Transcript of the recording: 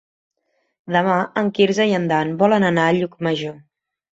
Demà en Quirze i en Dan volen anar a Llucmajor.